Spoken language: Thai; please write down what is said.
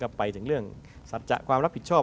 ไปถึงเรื่องสัจจะความรับผิดชอบ